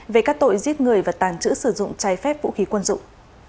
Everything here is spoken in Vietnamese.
về các tội giết người và tàng trữ sử dụng trái phép vũ khí quân dụng